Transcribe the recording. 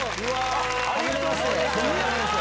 ありがとうございます。